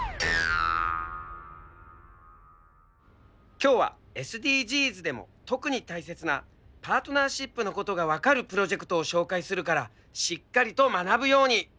今日はＳＤＧｓでも特に大切なパートナーシップのことが分かるプロジェクトを紹介するからしっかりと学ぶように。